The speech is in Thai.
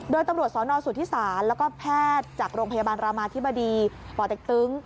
โดยตำรวจสนสุธิศาลแล้วก็แพทย์จากโรงพยาบาลรามาธิบดีป่อเต็กตึง